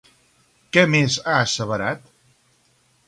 Què més ha asseverat?